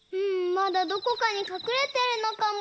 まだどこかにかくれてるのかも。